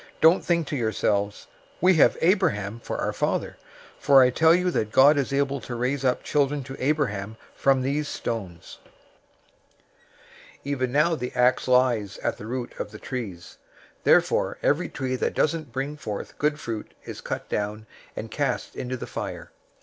003:009 Don't think to yourselves, 'We have Abraham for our father,' for I tell you that God is able to raise up children to Abraham from these stones. 003:010 "Even now the axe lies at the root of the trees. Therefore, every tree that doesn't bring forth good fruit is cut down, and cast into the fire.